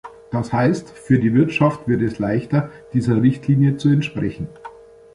Das heißt, für die Wirtschaft wird es leichter, dieser Richtlinie zu entsprechen.